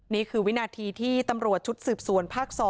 นี่คือวินาทีที่ตำรวจชุดสืบสวนภาค๒